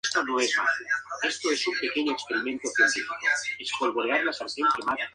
La crujía central alberga espacios de circulación.